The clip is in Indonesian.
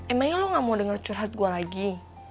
emangnya lo gak mau dengar curhat gue lagi